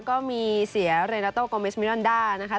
ก็มีเสียเรนาโตโกเมสมิรอนด้านะคะ